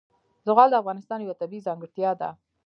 زغال د افغانستان یوه طبیعي ځانګړتیا ده.